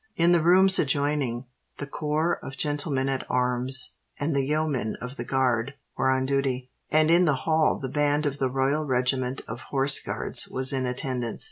In the rooms adjoining, the Corps of Gentlemen at arms and the Yeomen of the Guard were on duty; and in the hall the band of the Royal Regiment of Horse Guards was in attendance.